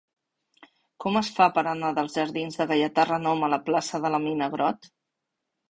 Com es fa per anar dels jardins de Gaietà Renom a la plaça de la Mina Grott?